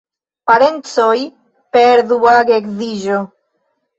Parencoj per dua geedziĝo.